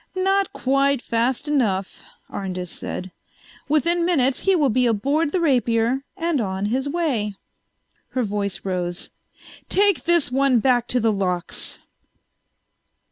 "Not quite fast enough," Arndis said. "Within minutes he will be aboard the Rapier and on his way." Her voice rose. "Take this one back to the locks."